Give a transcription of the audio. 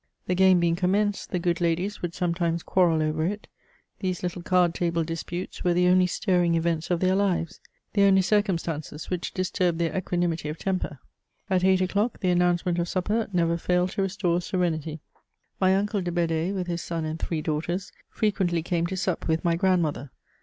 The game being commenced, tiie good ladies would sometimes quarrel over it : these little card table disputes were the only stirring events of their lives ; the only circumstances which disturbed their equanimity of temper. At eight o'clock, the announcement of supper never failed to restore serenity. My uncle de Bed^, with his son and three daughters, frequently came to sup with my grand mother.